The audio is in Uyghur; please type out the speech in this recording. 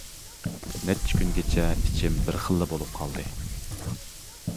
نەچچە كۈنگىچە ئىچىم بىر خىللا بولۇپ قالدى.